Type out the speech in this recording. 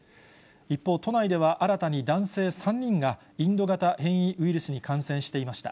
一方、都内では新たに男性３人がインド型変異ウイルスに感染していました。